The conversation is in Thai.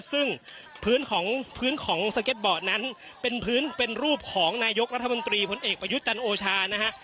ซึ่งพื้นของพื้นของสเก็ตบอร์ดนั้นเป็นพื้นเป็นรูปของนายกรัฐมนตรีพลเอกประยุทธ์จันทร์โอชานะฮะ